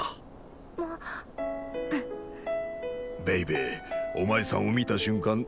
ベイベーお前さんを見た瞬間